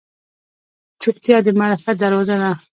چوپتیا، د معرفت دروازه ده.